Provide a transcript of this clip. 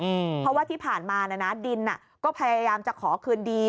เพราะว่าที่ผ่านมาน่ะนะดินอ่ะก็พยายามจะขอคืนดี